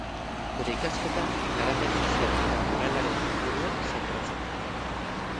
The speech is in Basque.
Bere ikasketa garapen sozial eta moralaren inguruan zentratzen da.